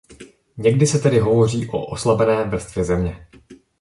Někdy se tedy hovoří o oslabené vrstvě Země.